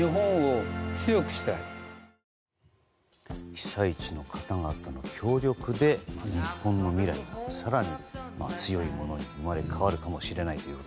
被災地の方々の協力で日本の未来が更に強いものに生まれ変わるかもしれないと。